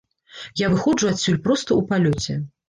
Я выходжу адсюль проста ў палёце.